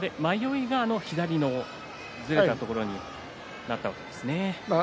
迷いが左にずれたところになったわけですね。